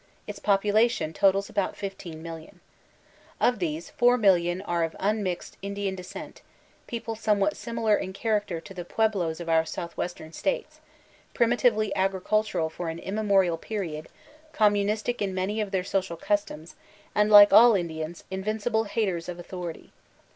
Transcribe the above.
Its popubtion totals about 15,000,000. Of these, 4,000,000 are of unmixed Indian descent, peo ple somewhat similar in character to the Pueblos of our own southwestern states, primitively agricultural for an immemorial period, communistic in many of their social customs, and like all Indians, invincible haters of author ity.